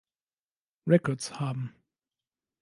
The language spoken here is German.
Records haben.